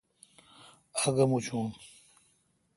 آگو مچون۔